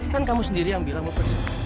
kan kamu sendiri yang bilang mau pergi sama saya